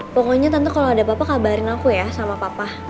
pokoknya tante kalo ada papa kabarin aku ya sama papa